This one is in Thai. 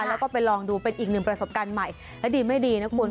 แล้วก็ไปลองดูเป็นอีกหนึ่งประสบการณ์ใหม่และดีไม่ดีนะคุณ